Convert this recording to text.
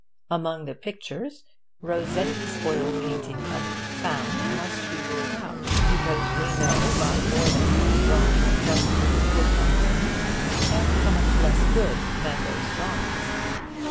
Among the pictures, Rossetti's oil painting of 'Found' must be ruled out, because we know by more than one drawing just what it would have been, and how much less good than those drawings.